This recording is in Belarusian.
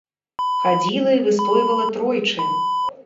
Хадзіла і выстойвала тройчы.